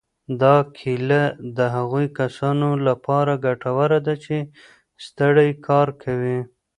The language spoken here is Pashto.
دا کیله د هغو کسانو لپاره ګټوره ده چې ستړی کار کوي.